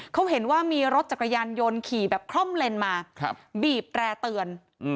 เขาเห็นว่ามีรถจักรยานยนต์ขี่แบบคล่อมเลนมาบีบแตร่เตือน